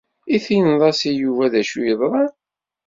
I tinid-as i Yuba d acu ay yeḍran?